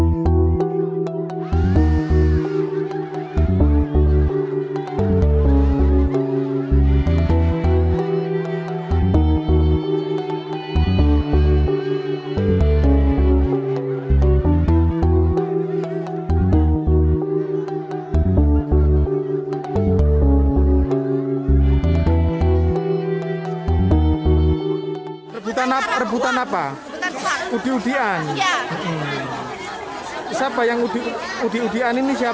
siapa yang udi udian ini siapa